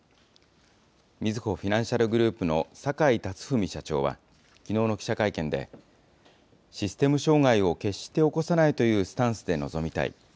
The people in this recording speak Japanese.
みずほフィナンシャルグループの坂井辰史社長は、きのうの記者会見で、システム障害を決して起こさないというスタンスで臨みたい。